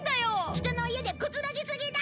人の家でくつろぎすぎだ！